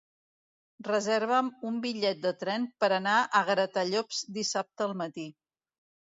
Reserva'm un bitllet de tren per anar a Gratallops dissabte al matí.